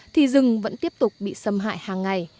thì rừng vẫn tiếp tục bị xâm hại hàng ngày